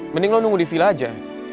mending lo nunggu di villa aja